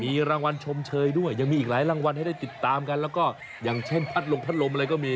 มีรางวัลชมเชยด้วยยังมีอีกหลายรางวัลให้ได้ติดตามกันแล้วก็อย่างเช่นพัดลมพัดลมอะไรก็มี